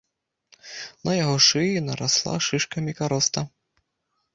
На яго шыі нарасла шышкамі кароста.